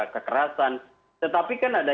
kekerasan tetapi kan ada